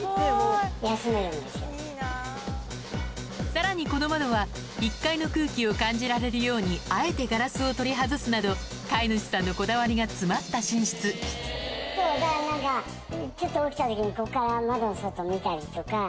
さらにこの窓は１階の空気を感じられるようにあえてガラスを取り外すなど飼い主さんのこだわりが詰まった寝室ちょっと起きた時にここから窓の外見たりとか。